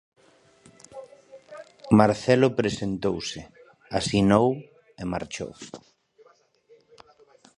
Marcelo presentouse, asinou e marchou.